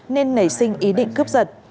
nên nảy sinh ý định cướp giật